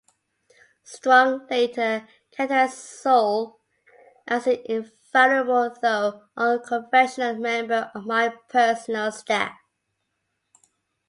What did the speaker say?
Strong later characterized Saul as an invaluable, though unconventional, member of my personal staff.